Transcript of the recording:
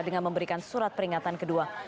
dengan memberikan surat peringatan kedua